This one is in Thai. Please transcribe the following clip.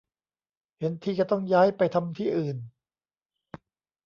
เห็นทีจะต้องย้ายไปทำที่อื่น